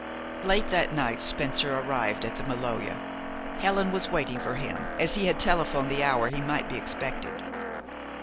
Late that night Spencer arrived at the Maloja. Helen was waiting for him, as he had telephoned the hour he might be expected.